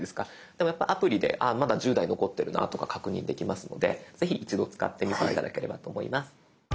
やっぱりアプリでまだ１０台残ってるなとか確認できますのでぜひ一度使ってみて頂ければと思います。